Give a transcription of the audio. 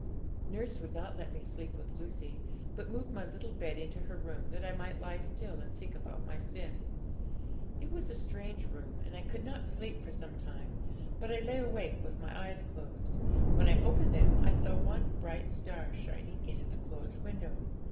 Nurse would not let me sleep with Lucy, but moved my little bed into her room, that I might lie still and think about my sin. It was a strange room, and I could not sleep for some time, but I lay awake with my eyes closed. When I opened them I saw one bright star shining in at the closed window.